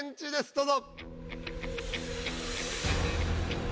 どうぞ。